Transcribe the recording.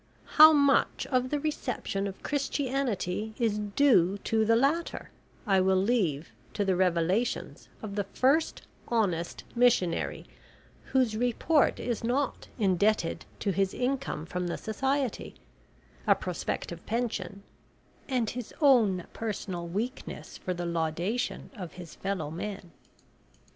How much of the reception of Christianity is due to the latter I will leave to the revelations of the first honest missionary whose report is not indebted to his income from the Society, a prospective pension, and his own personal weakness for the laudation of his fellow men.